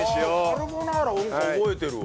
カルボナーラなんか覚えてるわ。